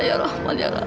ya rahmat ya allah